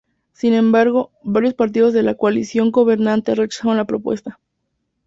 Sin embargo, varios partidos de la coalición gobernante rechazaron la propuesta.